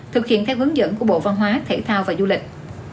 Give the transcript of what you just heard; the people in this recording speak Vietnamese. thực hiện theo hướng dẫn của bộ văn hóa thể thao và du lịch